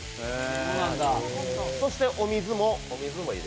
そしてお水も。